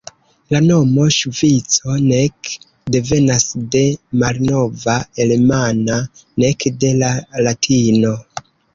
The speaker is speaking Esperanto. La nomo Ŝvico nek devenas de la malnova alemana, nek de la latino.